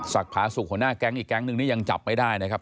ภาสุกหัวหน้าแก๊งอีกแก๊งนึงนี่ยังจับไม่ได้นะครับ